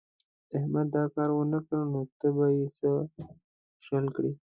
احمد دا کار و نه کړ نو ته به يې څه شل کړې.